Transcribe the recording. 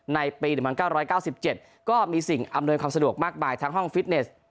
ในปี๑๙๙๗ก็มีสิ่งอำนวยความสะดวกมากมายทั้งห้องฟิตเนส